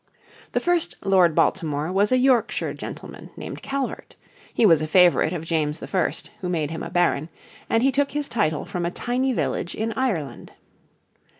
The first Lord Baltimore was a Yorkshire gentleman named Calvert; he was a favourite of James I, who made him a baron, and he took his title from a tiny village in Ireland.